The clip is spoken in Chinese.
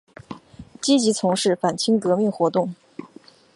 积极从事反清革命活动。